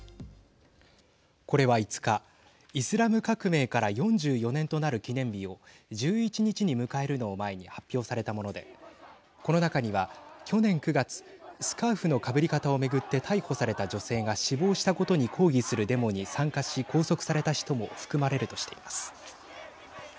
これは５日イスラム革命から４４年となる記念日を１１日に迎えるのを前に発表されたものでこの中には、去年９月スカーフのかぶり方を巡って逮捕された女性が死亡したことに抗議するデモに参加し拘束された人も含まれるとしています。